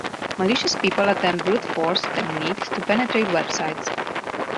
Malicious people attempt brute force techniques to penetrate websites.